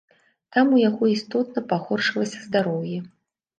Там у яго істотна пагоршылася здароўе.